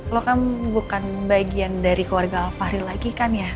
lo kan bukan bagian dari keluarga alfahril lagi kan ya